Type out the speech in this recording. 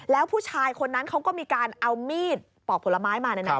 แล้วผู้ชายคนนั้นเขาก็มีการเอามีดปอกผลไม้มา